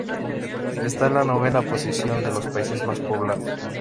Está en la novena posición de los países más poblados.